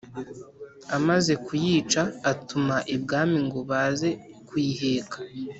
Amaze kuyica, atuma ibwami ngo baze kuyiheka.